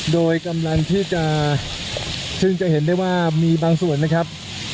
โดยกำลังที่จะซึ่งจะเห็นได้ว่ามีบางส่วนนะครับ